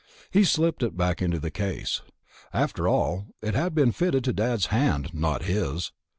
He slipped it back in the case. After all, it had been fitted to Dad's hand, not his.